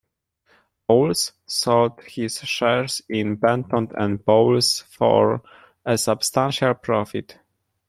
Bowles sold his shares in Benton and Bowles for a substantial profit.